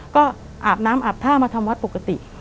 ก็อาบน้ำอาบท่ามาทำวัดปกติ